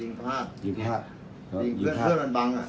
ส่วนสุดท้ายส่วนสุดท้าย